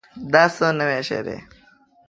دا څه نوي شی دی؟